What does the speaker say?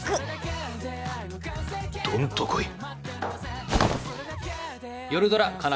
どんと来い。